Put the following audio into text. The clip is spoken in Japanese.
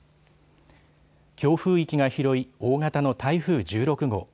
強風域が広い大型の台風１６号。